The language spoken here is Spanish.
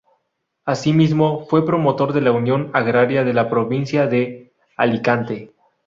Así mismo fue promotor de la unión agraria de la provincia de alicante.